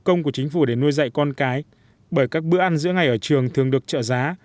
công của chính phủ để nuôi dạy con cái bởi các bữa ăn giữa ngày ở trường thường được trợ giá